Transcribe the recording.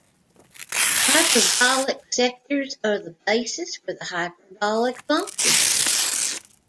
Hyperbolic sectors are the basis for the hyperbolic functions.